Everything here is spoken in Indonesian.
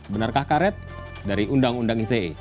benarkah karet dari undang undang ite